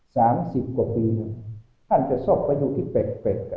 สามสิบกว่าปีท่านจะสกไปดูที่เป็ก